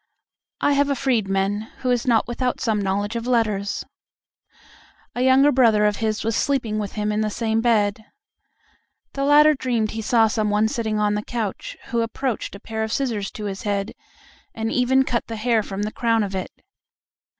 I have a freedman, who is not without some knowledge of letters. A younger brother of his was sleeping with him in the same bed. The latter dreamed he saw some one sitting on the couch, who approached a pair of scissors to his head, and even cut the hair from the crown of it.